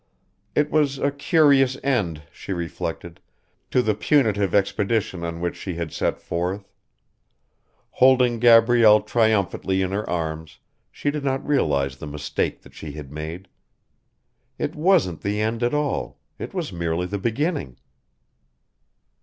It was a curious end, she reflected, to the punitive expedition on which she had set forth. Holding Gabrielle triumphantly in her arms she did not realize the mistake that she had made. It wasn't the end at all, it was merely the beginning.